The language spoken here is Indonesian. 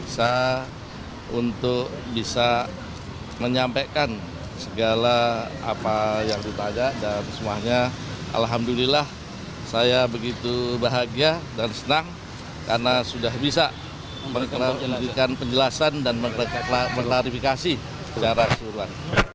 saya bahagia dan senang karena sudah bisa menjelaskan penjelasan dan mengkarifikasi secara keseluruhan